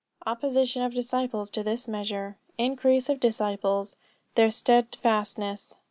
OPPOSITION OF DISCIPLES TO THIS MEASURE. INCREASE OF DISCIPLES. THEIR STEADFASTNESS.